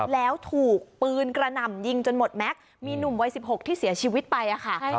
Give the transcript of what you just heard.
แล้วถูกปืนกระหน่ำยิงจนหมดแม็กซ์มีหนุ่มวัย๑๖ที่เสียชีวิตไปค่ะ